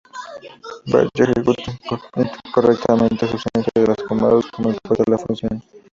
Bash ejecuta incorrectamente la secuencia de comandos cuando importa la función.